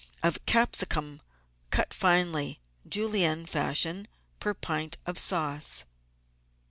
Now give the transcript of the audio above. of capsicum cut finely. Julienne fashion, per pint of sauce.